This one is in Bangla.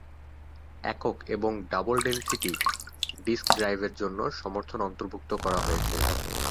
একক এবং ডাবল-ডেনসিটি ডিস্ক ড্রাইভের জন্য সমর্থন অন্তর্ভুক্ত করা হয়েছে।